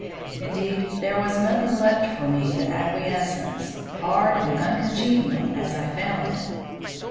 Indeed, there was nothing left for me but acquiescence, hard and uncongenial as I found it.